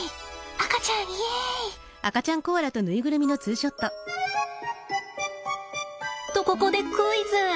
赤ちゃんイエイ！とここでクイズ！